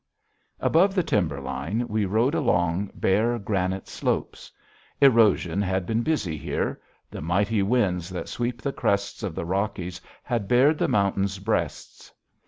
Above the timber line we rode along bare granite slopes. Erosion had been busy here. The mighty winds that sweep the crests of the Rockies had bared the mountains' breasts.